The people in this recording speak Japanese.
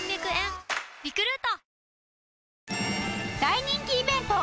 大人気イベント